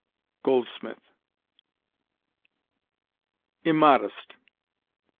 Goldsmith. IMMODEST.